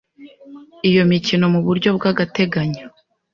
iyo mikino mu buryo bw’agateganyo